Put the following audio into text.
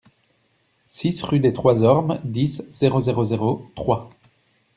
six rue des Trois Ormes, dix, zéro zéro zéro, Troyes